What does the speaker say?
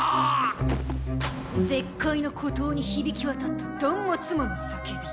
絶海の孤島に響き渡った断末魔の叫び。